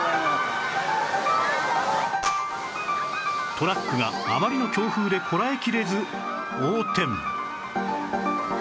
トラックがあまりの強風でこらえきれず横転